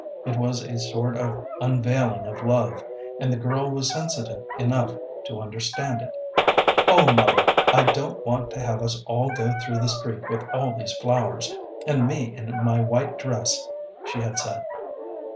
It was a sort of unveiling of love, and the girl was sensitive enough to understand it. "Oh, mother, I don't want to have us all go through the street with all these flowers, and me in my white dress," she had said.